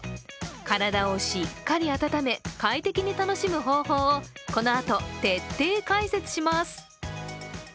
体をしっかり温め、快適に楽しむ方法をこのあと徹底解説します。